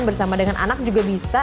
bersama dengan anak juga bisa